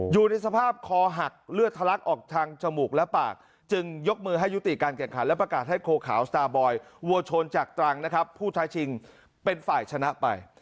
อยู่ในสภาพคอหักเลือดทะลักออกทางจมูกและปากจึงยกมือให้ยุติการแข่งขันและประกาศให้โคขาวสตาร์บอยวัวชนจากตรังนะครับผู้ท้าชิงเป็นฝ่ายชนะไป